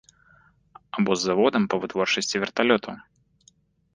Або з заводам па вытворчасці верталётаў.